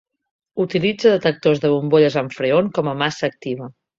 Utilitza detectors de bombolles amb Freon com a massa activa.